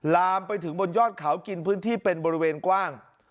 ลามไปถึงบนยอดเขากินพื้นที่เป็นบริเวณกว้าง